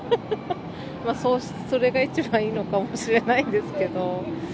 まあ、それが一番いいのかもしれないんですけど。